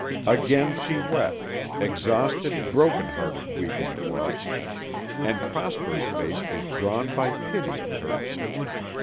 Again she wept, exhausted, broken hearted weeping it was. And Prosper's face was drawn by pity of her.